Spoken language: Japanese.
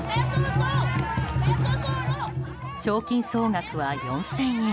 賞金総額は４０００円。